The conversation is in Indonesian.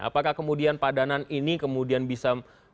apakah kemudian padanan ini kemudian bisa